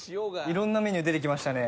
色んなメニュー出てきましたね。